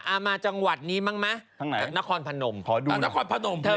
อามาจังหวัดนี้บ้างไหมทั้งไหนนครพนมขอดูนครพนม